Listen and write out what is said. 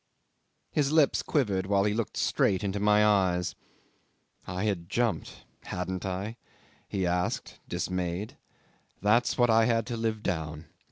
His lips quivered while he looked straight into my eyes. "I had jumped hadn't I?" he asked, dismayed. "That's what I had to live down.